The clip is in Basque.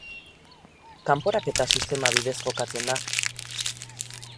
Kanporaketa sistema bidez jokatzen da.